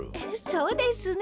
そうですね。